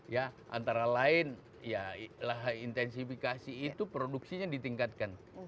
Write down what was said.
ya antara lain intensifikasi itu produksinya ditingkatkan